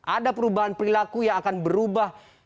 ada perubahan perilaku yang akan berubah